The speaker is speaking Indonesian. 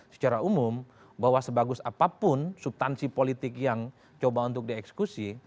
secara umum bahwa sebagus apapun subtansi politik yang coba untuk dieksekusi